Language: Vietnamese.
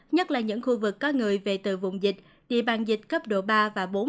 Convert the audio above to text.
nhất là những khu vực có người về từ vùng dịch địa bàn dịch cấp độ ba và bốn